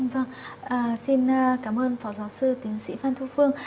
vâng xin cảm ơn phó giáo sư tiến sĩ phan thu phương